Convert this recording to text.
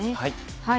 はい。